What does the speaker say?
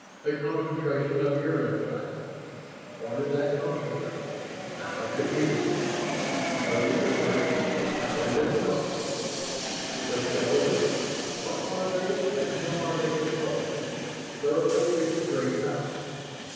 The concentration of uranexite. What is that concentrate? How is it used? Total conversion how is it accomplished? The skeletons what are they and how are they controlled? Their ability to drain power.